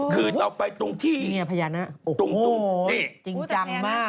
คือเราไปตรงที่นี่พระยานะโอ้โฮจริงจังมาก